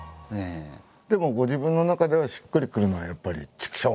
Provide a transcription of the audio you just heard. でもご自分の中ではしっくりくるのはやっぱり「チクショー！！」